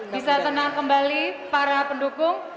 bisa tenang kembali para pendukung